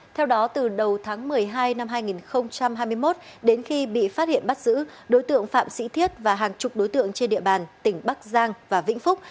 theo đó từ đầu tháng một mươi hai năm hai nghìn hai mươi một đến khi bị phát hiện bắt giữ đối tượng phạm sĩ thiết và hàng chục đối tượng trên địa bàn tỉnh bắc giang và vĩnh phúc